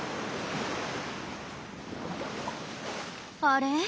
あれ？